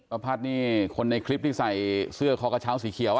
ประพัดนี่คนในคลิปที่ใส่เสื้อคอกระเช้าสีเขียว